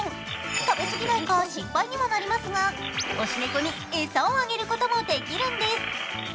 食べ過ぎないか心配にはなりますが推し猫に餌をあげることもできるんです。